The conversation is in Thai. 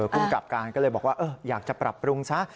ภูมิกับการก็เลยบอกว่าอยากจะปรับปรุงซะ